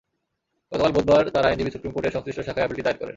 গতকাল বুধবার তাঁর আইনজীবী সুপ্রিম কোর্টের সংশ্লিষ্ট শাখায় আপিলটি দায়ের করেন।